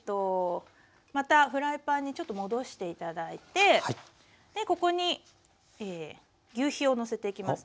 またフライパンにちょっと戻して頂いてここにぎゅうひをのせていきますね。